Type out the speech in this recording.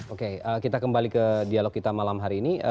oke kita kembali ke dialog kita malam hari ini